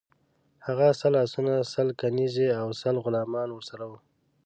هغه سل آسونه، سل کنیزي او سل غلامان ورسره وه.